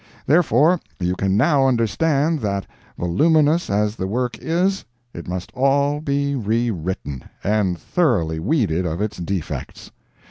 Therefore, you can now understand that, voluminous as the work is, it must all be re written, and thoroughly weeded of its defects.